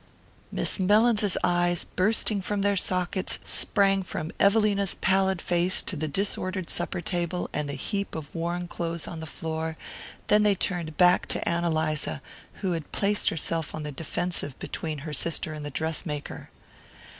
Miss Mellins's eyes, bursting from their sockets, sprang from Evelina's pallid face to the disordered supper table and the heap of worn clothes on the floor; then they turned back to Ann Eliza, who had placed herself on the defensive between her sister and the dress maker.